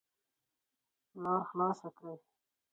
لار خلاصه کړئ